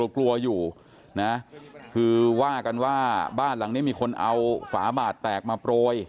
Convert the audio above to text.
กลัวอยู่นะคือว่ากันว่าบ้านหลังนี้มีคนเอาฝาบาดแตกมาโปรย